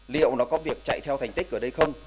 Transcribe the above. liệu nó có việc chạy theo thành tích ở đây không